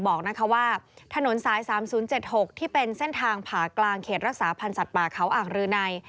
บอกว่าถนนสาย๓๐๗๖ที่เป็นเส้นทางผ่ากลางเขตรักษาพันธ์สัตว์ป่าเขาอ่างรืนัย